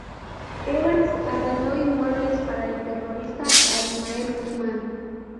Evans arrendó inmuebles para el terrorista Abimael Guzmán.